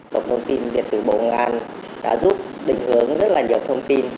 cổng thông tin điện tử bộ công an đã giúp định hướng rất là nhiều thông tin